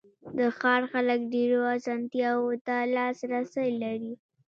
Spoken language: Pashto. د ښار خلک ډېرو آسانتیاوو ته لاسرسی لري.